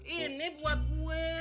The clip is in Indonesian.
ini buat gue